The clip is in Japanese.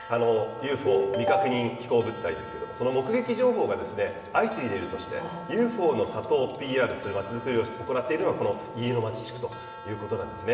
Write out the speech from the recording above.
ＵＦＯ・未確認飛行物体ですけども、その目撃情報が相次いでいるとして、ＵＦＯの里をＰＲするまちづくりを行っているのが、この飯野町地区ということなんですね。